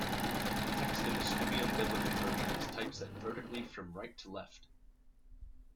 Text in the Studium Biblicum Version is typeset vertically from right to left.